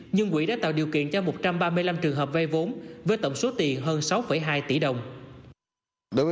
nhưng quỹ đã tạo điều kiện cho một trăm ba mươi năm trường hợp vay vốn với tổng số tiền hơn sáu hai tỷ đồng